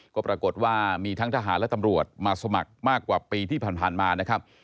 ก็ปรากฏว่ามีทั้งทหารและตำรวจมาสมัครมากกว่าปีที่ผ่านมานะครับ